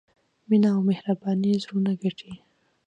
مینه او مهرباني زړونه ګټي.